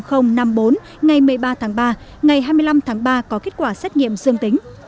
ngày một mươi ba tháng ba ngày hai mươi năm tháng ba có kết quả xét nghiệm dương tính